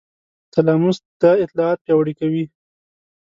تلاموس دا اطلاعات پیاوړي کوي.